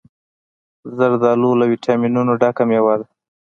زردالو له ویټامینونو ډکه مېوه ده.